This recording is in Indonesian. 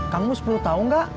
kamu sepuluh tahun gak